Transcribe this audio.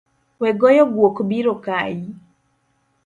Wegoyo guok biro kayi